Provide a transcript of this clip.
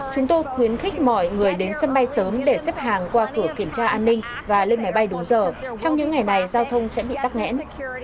chúng tôi khuyến khích mọi người đến sân bay sớm để xếp hàng qua cửa kiểm tra an ninh và lên máy bay đúng giờ trong những ngày này giao thông sẽ bị tắc nghẽn